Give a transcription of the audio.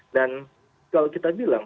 dan kalau kita bilang